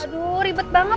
aduh ribet banget